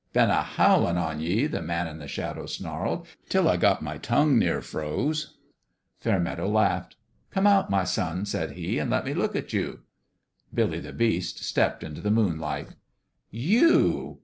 "Been a howlin' on ye," the man in the shadow snarled, " 'til I got my tongue near froze !" Fairmeadow laughed. " Come out, my son," said he, " and let me look at you." Billy the Beast stepped into the moonlight. " You